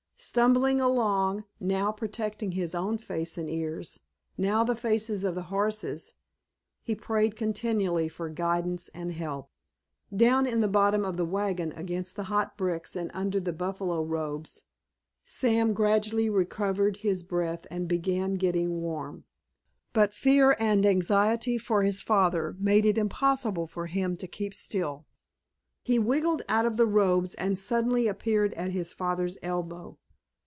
Stumbling along, now protecting his own face and ears, now the faces of the horses, he prayed continually for guidance and help. Down in the bottom of the wagon against the hot bricks and under the buffalo robes Sam gradually recovered his breath and began getting warm. But fear and anxiety for his father made it impossible for him to keep still. He wiggled out of the robes and suddenly appeared at his father's elbow.